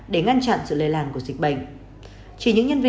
để ngăn chặn sự lây làn của dịch bệnh